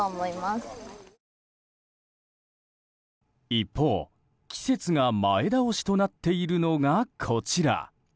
一方、季節が前倒しとなっているのがこちら。